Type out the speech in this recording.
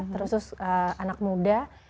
terus anak muda